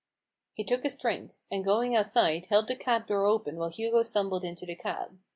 He took his drink ; and, going outside, held the cab door open while Hugo stumbled into the cab.